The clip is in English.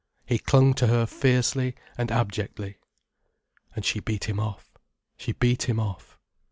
He clung to her fiercely and abjectly. And she beat him off, she beat him off.